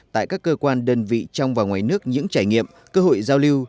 tại các cơ quan đơn vị trong và ngoài nước những trải nghiệm cơ hội giao lưu